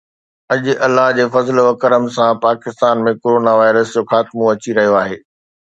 اڄ الله جي فضل و ڪرم سان پاڪستان ۾ ڪرونا وائرس جو خاتمو اچي رهيو آهي